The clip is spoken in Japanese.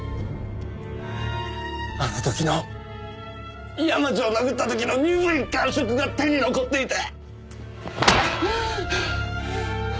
あの時の山路を殴った時の鈍い感触が手に残っていて。